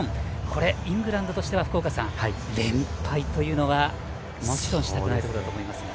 これはイングランドとしては連敗というのはもちろんしたくないところだと思いますが。